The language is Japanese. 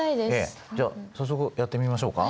じゃあ早速やってみましょうか。